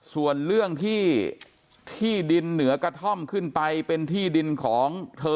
ส่วนเรื่องที่ที่ดินเหนือกระท่อมขึ้นไปเป็นที่ดินของเธอ